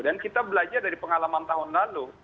dan kita belajar dari pengalaman tahun lalu